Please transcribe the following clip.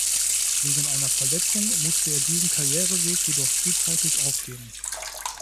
Wegen einer Verletzung musste er diesen Karriereweg jedoch frühzeitig aufgeben.